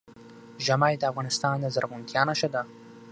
ژمی د افغانستان د زرغونتیا نښه ده.